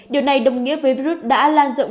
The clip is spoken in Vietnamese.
điều này đồng nghĩa với virus đã lan rộng